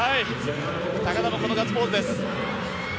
高田もこのガッツポーズです。